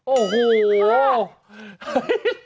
โอ้โฮค่ะเนี่ยฮัท